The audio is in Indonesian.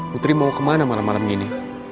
putri mau kemana malam malam gini